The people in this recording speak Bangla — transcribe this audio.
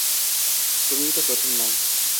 তুমিই তো প্রথম না।